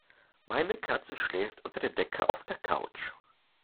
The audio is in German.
Meine Katze schläft unter der Decke auf der Couch.